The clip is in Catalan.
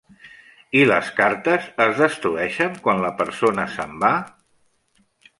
I les cartes es destrueixen quan la persona se'n va?